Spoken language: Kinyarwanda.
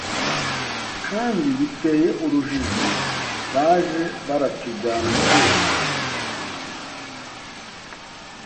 Kandi biteye urujijo baje baratujyana twese